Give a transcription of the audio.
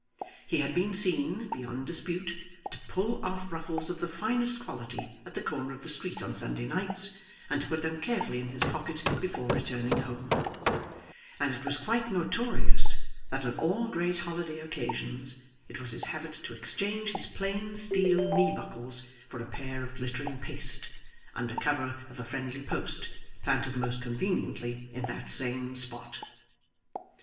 He had been seen, beyond dispute, to pull off ruffles of the finest quality at the corner of the street on Sunday nights, and to put them carefully in his pocket before returning home; and it was quite notorious that on all great holiday occasions it was his habit to exchange his plain steel knee buckles for a pair of glittering paste, under cover of a friendly post, planted most conveniently in that same spot.